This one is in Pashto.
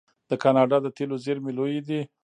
د کاناډا د تیلو زیرمې لویې دي.